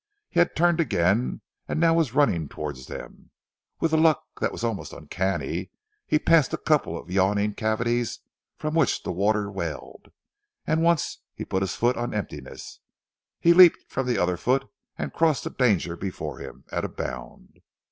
He had turned again and now was running towards them. With a luck that was almost uncanny he passed a couple of yawning cavities from which the water welled, and once, he put his foot on emptiness, he leaped from the other foot, and crossed the danger before him at a bound.